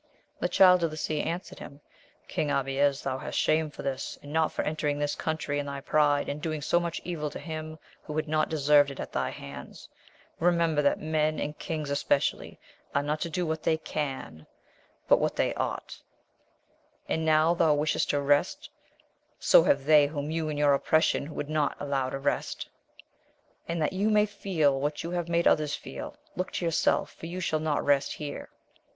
The Child of the Sea answered him. King Abies, thou hast shame for this, and not for entering this country in thy pride, and doing so much evil to him who had not de served it at thy hands ! Remember that men, and kings especially, are not to do what they can but what they * ISmQ in the moxuVng. 58 AMADIS OF GAUL, ought. And now tliou wishest to rest !— so have they whom you in your oppression would not allow to rest ; and that you may feel what you have made others feel, look to yourself, for you shall not rest here.